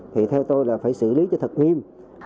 thì theo tôi là phải xử lý cho thật nghiêm